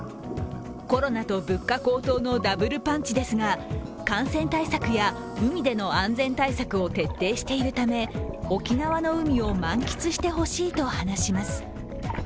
コロナと物価高騰のダブルパンチですが感染対策や海での安全対策を徹底しているため沖縄の海を満喫してほしいと話します。